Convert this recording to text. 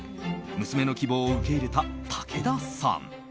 娘の希望を受け入れた武田さん。